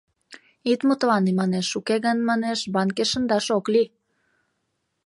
— Ит мутлане, манеш, уке гын, манеш, банке шындаш ок лий.